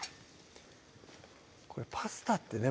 これパスタってね